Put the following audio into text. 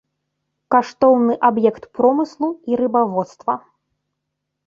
Каштоўны аб'ект промыслу і рыбаводства.